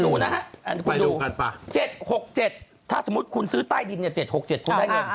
ดูนะฮะ๗๖๗ถ้าสมมุติคุณซื้อใต้ดิน๗๖๗คุณได้เงิน